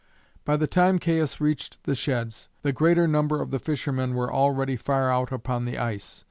By the time Caius reached the sheds, the greater number of the fishermen were already far out upon the ice.